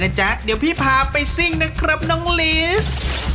เอากลับบ้านไปเลย